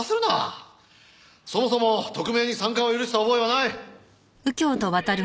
そもそも特命に参加を許した覚えはない。